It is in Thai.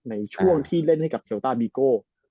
ในช่วงที่เล่นให้กับเซลต้าบีโก้